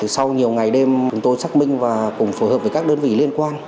sau nhiều ngày đêm chúng tôi xác minh và cùng phối hợp với các đơn vị liên quan